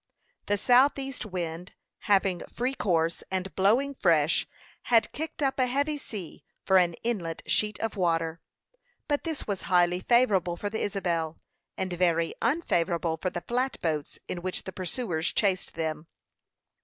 The south east wind, having free course, and blowing fresh, had kicked up a heavy sea, for an inland sheet of water; but this was highly favorable for the Isabel, and very unfavorable for the flatboats in which the pursuers chased them.